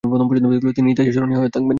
তিনি ইতিহাসে চিরস্মরণীয় হয়ে থাকবেন।